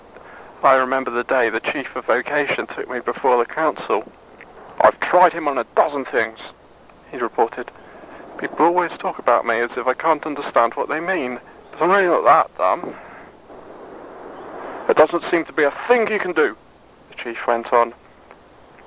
I remember the day the Chief of Vocation took me before the council. "I've tried him on a dozen things," he reported. People always talk about me as if I can't understand what they mean. But I'm really not that dumb. "There doesn't seem to be a thing he can do," the Chief went on.